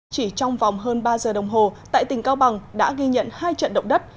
chỉ trong vòng hơn ba giờ đồng hồ tại tỉnh cao bằng đã ghi nhận hai trận động đất